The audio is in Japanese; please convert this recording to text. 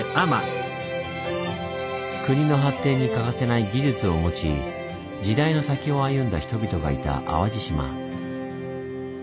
国の発展に欠かせない技術を持ち時代の先を歩んだ人々がいた淡路島。